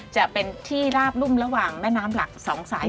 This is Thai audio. จะเป็นที่ราบรุ่มระหว่างแม่น้ำหลักสองสาย